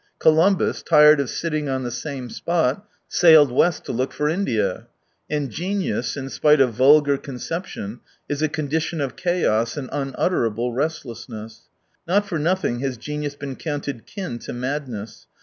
Columbus, tired of sitting on the same spot, sailed west to look for India. And genius, in spite of vulgar conception, is a condition of chaos and unutterable restlessness. Not for nothing has genius been counted kin to madness.